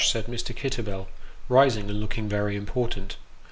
" said Mr. Kitterbell, rising and looking very important.